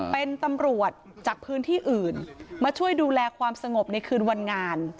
เป็นตำรวจจากพื้นที่อื่นมาช่วยดูแลความสงบในคืนวันงาน